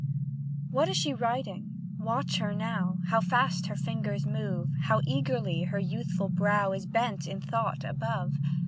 What is she writing? Watch her now, How fast her fingers move! How eagerly her youthful brow Is bent in thought above!